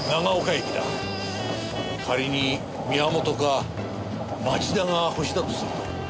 仮に宮本か町田がホシだとすると。